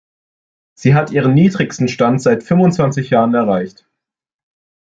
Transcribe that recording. Sie hat ihren niedrigsten Stand seit fünfundzwanzig Jahren erreicht.